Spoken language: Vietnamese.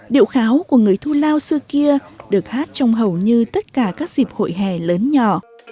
điệu khao của người thu lao xưa kia được hát trong hầu như tất cả các dịp hội hè lớn nhỏ